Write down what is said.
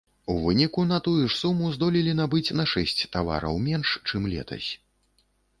У выніку на тую ж суму здолелі набыць на шэсць тавараў менш, чым летась.